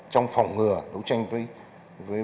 trong phòng ngừa đấu tranh với